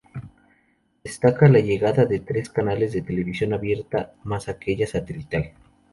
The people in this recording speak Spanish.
Destaca la llegada de tres canales de televisión abierta más aquella satelital.